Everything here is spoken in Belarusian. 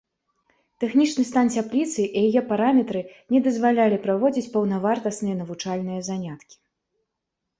Тэхнічны стан цяпліцы і яе параметры не дазвалялі праводзіць паўнавартасныя навучальныя заняткі.